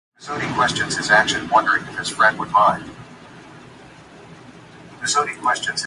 Mezoti questions his action wondering if his friend would mind.